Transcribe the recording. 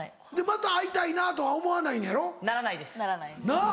また会いたいなとは思わないのやろ？ならないです。なぁ。